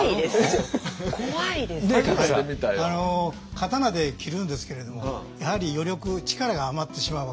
刀で斬るんですけれどもやはり余力力が余ってしまうわけですね。